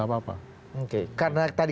apa apa karena tadi